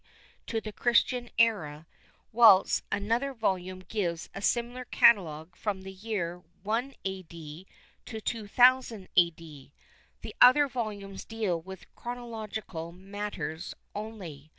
to the Christian Era, whilst another volume gives a similar catalogue from the year 1 A.D. to 2000 A.D. The other volumes deal with chronological matters only.